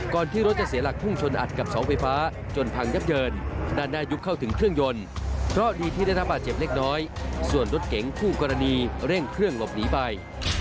ที่รถจะเสียหลักพุ่งชนอัดกับเสาไฟฟ้าจนพังยับเยินด้านหน้ายุบเข้าถึงเครื่องยนต์เพราะดีที่ได้รับบาดเจ็บเล็กน้อยส่วนรถเก๋งคู่กรณีเร่งเครื่องหลบหนีไป